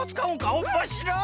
おもしろい！